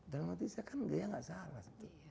dalam arti saya kan dia enggak salah